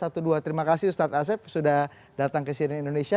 terima kasih ustadz asep sudah datang ke sini indonesia